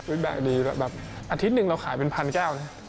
แบะดีแบบอาทิตย์หนึ่งเราขายเป็นพันแก้วนะ